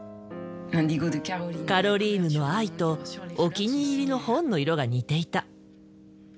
カロリーヌの藍とお気に入りの本の色が似ていた。